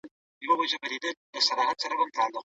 د شرعياتو پوهنځي د اسلامي تعلماتو د څانګې محصل دا ژمنه کوم،